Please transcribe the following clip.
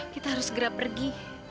kita harus segera pergi